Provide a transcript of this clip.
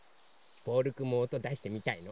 ボールくんもおとだしてみたいの？